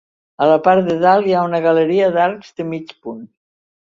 A la part de dalt hi ha una galeria d'arcs de mig punt.